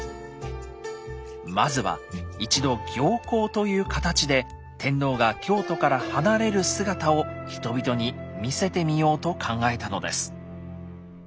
まずは一度行幸という形で天皇が京都から離れる姿を人々に見せてみようと考えたのです。